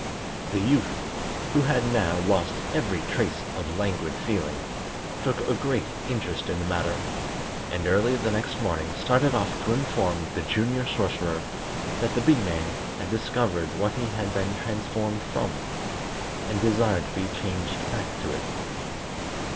The Youth, who had now lost every trace of languid feeling, took a great interest in the matter, and early the next morning started off to inform the Junior Sorcerer that the Bee man had discovered what he had been transformed from, and desired to be changed back to it.